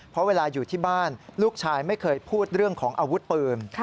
เพราะเวลาอยู่ที่บ้านลูกชายไม่เคยพูดเรื่องของอาวุธปืน